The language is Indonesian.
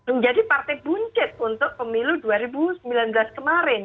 menjadi partai buncit untuk pemilu dua ribu sembilan belas kemarin